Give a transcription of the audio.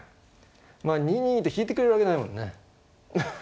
まあ２二銀って引いてくれるわけないもんね。アッハッハ。